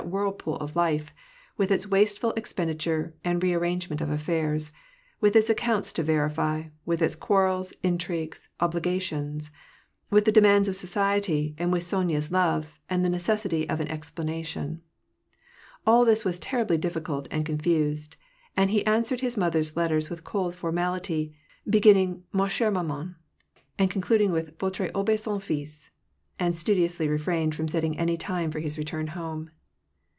whirlpool of life : with its wasteful expenditure, and re arrange ment of affairs ; with its accounts to verify ; with its quarrels, intrigues, obligations ; with the demands of society, and with Sonya's love, and the necessity of an explanation. All this was terribly difficult and confused; and he answered his mother's letters with cold formality, beginning, Ma eh^re maman, and concluding with Voire obeissani fiU, and studi ously refrained from setting any time for his return home.